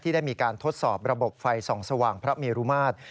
ได้มีการทดสอบระบบไฟส่องสว่างพระเมรุมาตร